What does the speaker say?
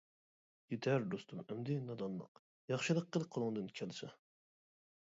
يېتەر دوستۇم ئەمدى نادانلىق، ياخشىلىق قىل قولۇڭدىن كەلسە.